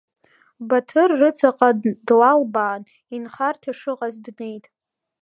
Баҭыр рыҵыҟа длалбаан, инхарҭа шыҟаз днеит.